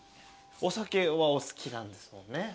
お酒はお好きなんですもんね。